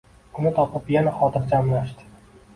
Uni topib yana xotirjamlashdi.